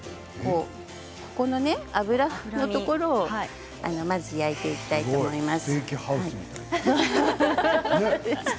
このね脂のところをまず焼いていきたいと思います。